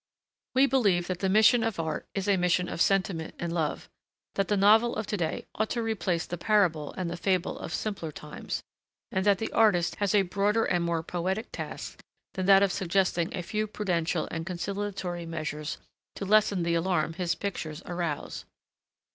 We believe that the mission of art is a mission of sentiment and love, that the novel of to day ought to replace the parable and the fable of simpler times, and that the artist has a broader and more poetic task than that of suggesting a few prudential and conciliatory measures to lessen the alarm his pictures arouse.